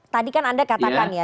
tadi kan anda katakan ya